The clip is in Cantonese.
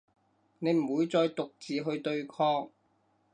你唔會再獨自去對抗